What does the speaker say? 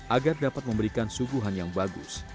agar dapat memberikan suguhan yang bagus